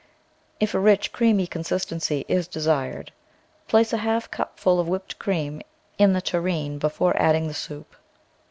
If a rich, creamy consistency is desired, place a half cup ful of whipped cream in the tureen before adding the soup.